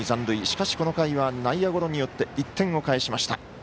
しかし、この回は内野ゴロによって１点を返しました。